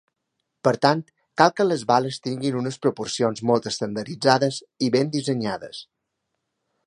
Per tant cal que les bales tinguin unes proporcions molt estandarditzades i ben dissenyades.